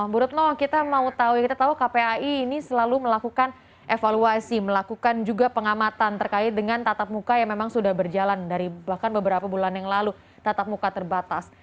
bu retno kita mau tahu kita tahu kpai ini selalu melakukan evaluasi melakukan juga pengamatan terkait dengan tatap muka yang memang sudah berjalan dari bahkan beberapa bulan yang lalu tatap muka terbatas